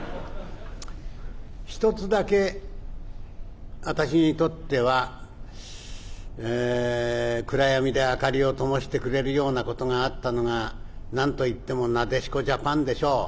一つだけ私にとっては暗闇で明かりを点してくれるようなことがあったのが何と言ってもなでしこジャパンでしょう。